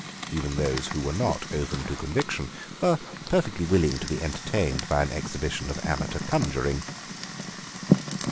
Even those who were not open to conviction were perfectly willing to be entertained by an exhibition of amateur conjuring.